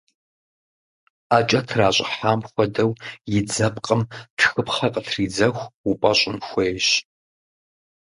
Ӏэкӏэ тращӏыхьам хуэдэу, и дзэпкъым тхыпхъэ къытридзэху упӏэщӏын хуейщ.